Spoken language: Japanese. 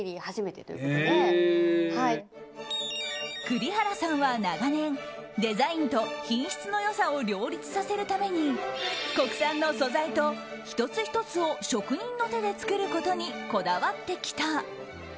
栗原さんは長年、デザインと品質の良さを両立させるために国産の素材と１つ１つを職人の手で作ることにこだわってきた。